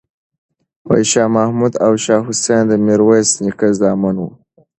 شاه محمود او شاه حسین د میرویس نیکه زامن وو.